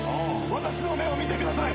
私の目を見てください！